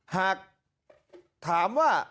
หากถามว่า